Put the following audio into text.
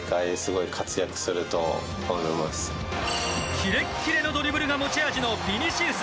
キレキレのドリブルが持ち味のビニシウス。